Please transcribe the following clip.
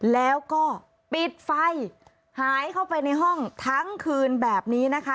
แล้วก็ปิดไฟหายเข้าไปในห้องทั้งคืนแบบนี้นะคะ